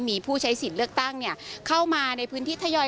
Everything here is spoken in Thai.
มีผู้ใช้สิทธิ์เลือกตั้งเข้ามาในพื้นที่ทยอย